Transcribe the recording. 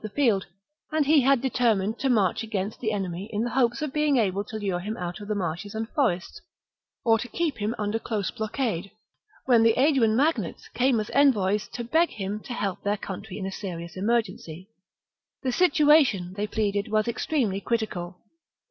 the field ; and he had determined to march against the enemy in the hope of being able to lure him out of the marshes and forests or to keep him under close blockade, when the Aeduan magnates came as envoys to beg him to help their country in a serious emergency. The situa tion, they pleaded, was extremely critical.